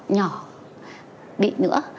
nhỏ bị nữa